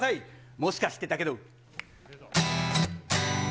もしかしてだけど。